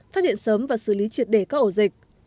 phát hiện sớm và xử lý triệt để các ổ dịch